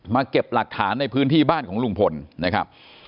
เก็บหลักฐานในพื้นที่บ้านของลุงพลนะครับ